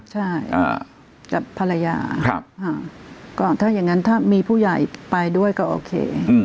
ใช่กับภรรยาก็ถ้าอย่างนั้นถ้ามีผู้ใหญ่ไปด้วยก็โอเค